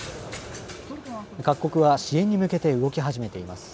各国は支援に向けて動き始めています。